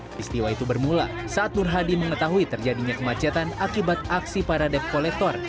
peristiwa itu bermula saat nur hadi mengetahui terjadinya kemacetan akibat aksi para debt collector